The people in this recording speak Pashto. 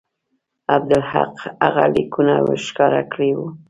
عبدالحق هغه لیکونه ورښکاره کړي وو.